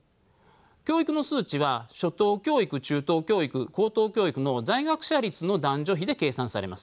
教育の数値は初等教育中等教育高等教育の在学者率の男女比で計算されます。